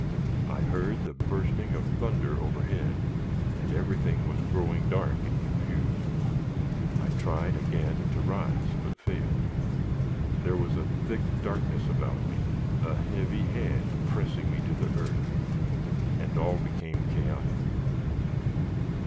I heard the bursting of thunder overhead, and everything was growing dark and confused. I tried again to rise, but failed. There was a thick darkness about me, a heavy hand pressing me to the earth, and all become chaotic.